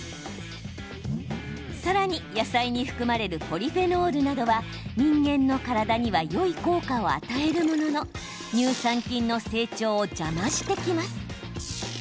さらに、野菜に含まれるポリフェノールなどは人間の体にはよい効果を与えるものの乳酸菌の成長を邪魔してきます。